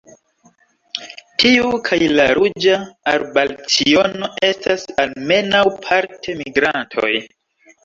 Tiu kaj la Ruĝa arbalciono estas almenaŭ parte migrantoj.